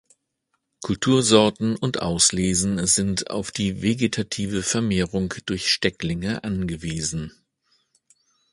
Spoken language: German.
Kultursorten und Auslesen sind auf die vegetative Vermehrung durch Stecklinge angewiesen.